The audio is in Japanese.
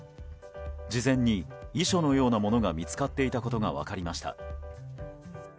事前に遺書のようなものが見つかっていたことが分かりました。